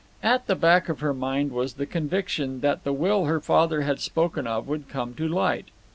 At the back of her mind was the conviction that the will her father had spoken of would come to light.